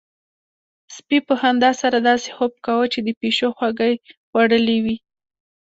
سپي په خندا سره داسې خوب کاوه چې د پيشو خواږه يې خوړلي وي.